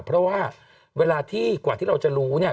เพราะว่าเวลาที่กว่าที่เราจะรู้เนี่ย